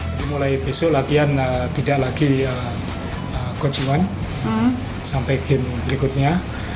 jadi mulai besok latihan tidak lagi coach iwan sampai game berikutnya